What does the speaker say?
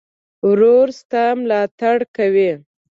ورور ستا ملاتړ کوي.